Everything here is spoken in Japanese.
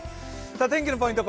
天気のポイント